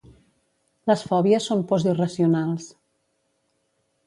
Les fòbies són pors irracionals